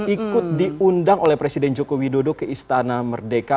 ikut diundang oleh presiden joko widodo ke istana merdeka